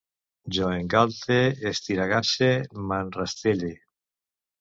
Jo engalte, estiregasse, m'enrastelle